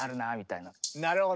なるほど。